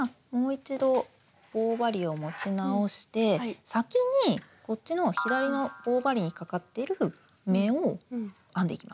もう一度棒針を持ち直して先にこっちの左の棒針にかかっている目を編んでいきます。